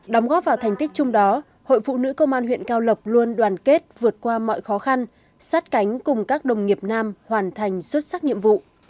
đóng góp vào thành tích chung đó hội phụ nữ công an huyện cao lộc luôn đoàn kết vượt qua mọi khó khăn sát cánh cùng các đồng nghiệp nam hoàn thành xuất sắc nhiệm vụ